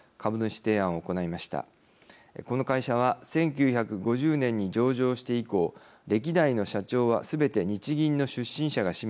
この会社は１９５０年に上場して以降歴代の社長はすべて日銀の出身者が占めています。